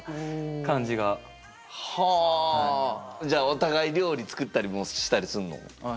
じゃあお互い料理作ったりもしたりすんの？